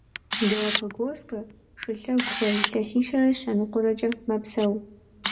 Галапагосскэ шылъэгухэр илъэсищэрэ щэныкъуэрэкӏэ мэпсэу.